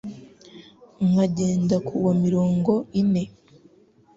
nkagenda ku wa mirongo ine